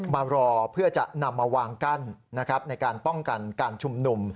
มารอเพื่อจะนำมาวางกั้นในการป้องกันการชุมนุม